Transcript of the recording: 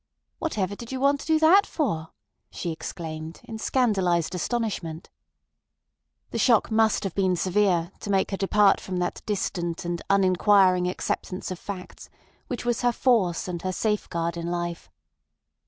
"Whatever did you want to do that for?" she exclaimed, in scandalised astonishment. The shock must have been severe to make her depart from that distant and uninquiring acceptance of facts which was her force and her safeguard in life.